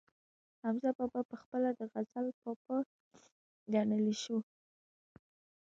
حمزه بابا پخپله د غزل بابا ګڼلی شو